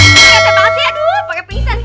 rasanya banget sih peremping isan